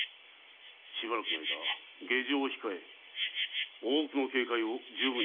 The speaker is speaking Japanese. しばらくは下城を控え大奥の警戒を充分にいたせ。